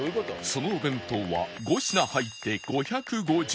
そのお弁当は５品入って５５０円